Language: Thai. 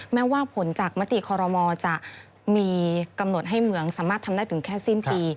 แม้ว่าผลจากมติคอรมอลจะมีกำหนดให้เหมืองสามารถทำได้ถึงแค่สิ้นปี